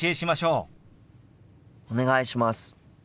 お願いします。